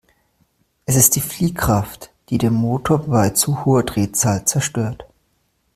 Es ist die Fliehkraft, die den Motor bei zu hoher Drehzahl zerstört.